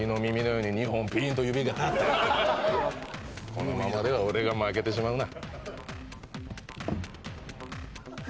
このままでは俺が負けてしまうな。